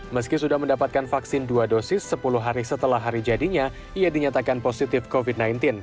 meski sudah mendapatkan vaksin dua dosis sepuluh hari setelah hari jadinya ia dinyatakan positif covid sembilan belas